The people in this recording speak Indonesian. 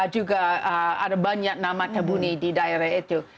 juga ada banyak nama tebuni di daerah itu